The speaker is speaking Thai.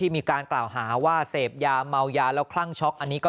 มีการกล่าวหาว่าเสพยาเมายาแล้วคลั่งช็อกอันนี้ก็